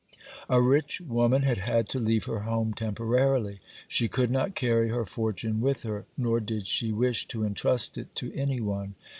A rich woman had had to leave her home temporarily. She could not carry her fortune with her, nor did she wish to entrust it to any one.